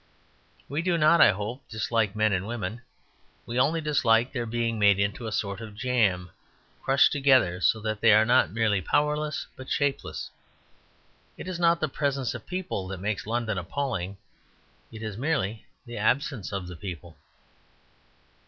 We do not, I hope, dislike men and women; we only dislike their being made into a sort of jam: crushed together so that they are not merely powerless but shapeless. It is not the presence of people that makes London appalling. It is merely the absence of The People.